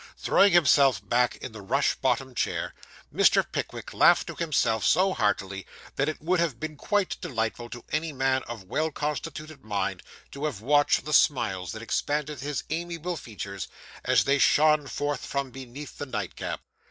Throwing himself back in the rush bottomed chair, Mr. Pickwick laughed to himself so heartily, that it would have been quite delightful to any man of well constituted mind to have watched the smiles that expanded his amiable features as they shone forth from beneath the nightcap.